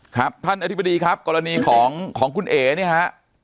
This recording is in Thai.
ครับท่านอธิบดีครับกรณีของคุณเอ๋เนี่ยฮะ